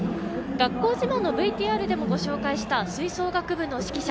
学校自慢のＶＴＲでもご紹介した吹奏楽部の指揮者。